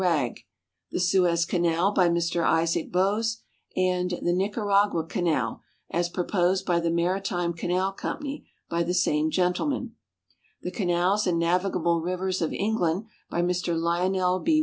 Wragge ; "The Suez Canal," by Mr Isaac Bowes, and "The Nicaragua Canal, as Proposed by the Maritime Canal Company," by the same gentleman; " The Canals and Navigable Rivers of England," by Mr Lionel B.